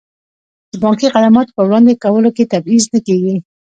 د بانکي خدماتو په وړاندې کولو کې تبعیض نه کیږي.